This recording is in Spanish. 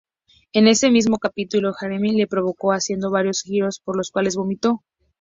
En ese mismo capítulo Jeremy lo probó haciendo varios giros por los cuales vomitó.